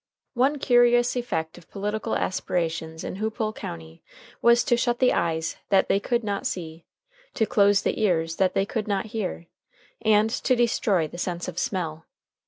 One curious effect of political aspirations in Hoopole County, was to shut the eyes that they could not see, to close the ears that they could not hear, and to destroy the sense of smell.